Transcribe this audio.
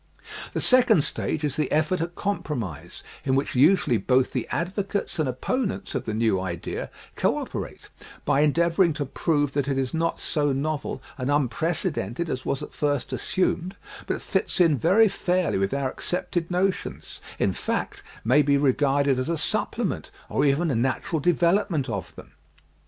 The second stage is the effort at compromise in which usually both the advocates and opponents of the new idea cooperate by endeavoring to prove that it is not so novel and unprecedented as was at first assumed but fits in very fairly with our accepted notions, in fact may be regarded as a supplement or even a natural development of them.